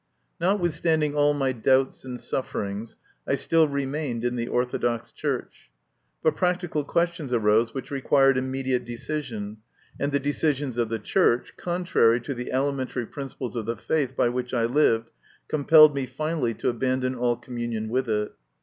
Notwithstanding all my doubts and sufferings, I still remained in the Orthodox Church ; but practical questions arose which required imme diate decision, and the decisions of the Church, contrary to the elementary principles of the faith by which I lived, compelled me finally to abandon all communion with it.